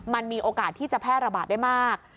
มันมีโอกาสที่จะแพร่ระบาดได้มาก